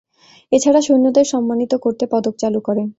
এছাড়া সৈন্যদের সম্মানিত করতে পদক চালু করেন।